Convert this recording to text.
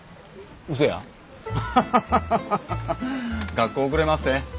学校遅れまっせ。